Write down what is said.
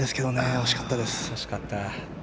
惜しかった。